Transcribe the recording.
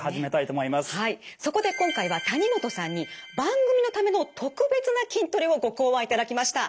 そこで今回は谷本さんに番組のための特別な筋トレをご考案いただきました。